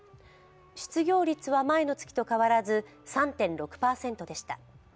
失業率は前の月と変わらず３．６％でした。